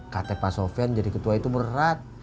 kata pak sofian jadi ketua itu berat